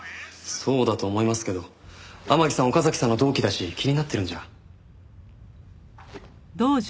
そうだと思いますけど天樹さん岡崎さんの同期だし気になってるんじゃ。